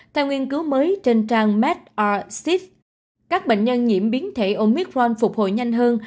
theo nghiên cứu mới trên trang medr civ các bệnh nhân nhiễm biến thể omicron phục hồi nhanh hơn